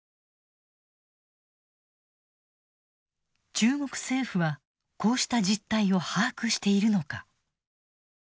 中国政府はこうした実態を把握しているのか。